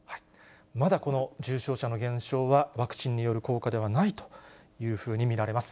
まだこの重症者の減少は、ワクチンによる効果ではないというふうに見られます。